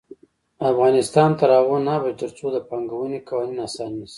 افغانستان تر هغو نه ابادیږي، ترڅو د پانګونې قوانین اسانه نشي.